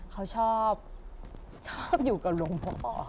เขาชอบอยู่กับลงพ่อ